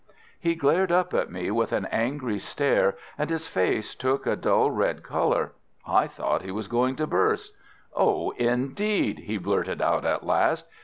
He glared up at me with an angry stare, and his face took a dull red colour. I thought he was going to burst. "Oh, indeed!" he blurted out at last.